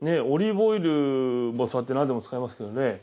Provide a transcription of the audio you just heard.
オリーブオイルもそうやってなんでも使いますけどね